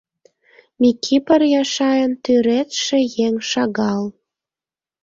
Микипыр Яшайын тӱредше еҥ шагал.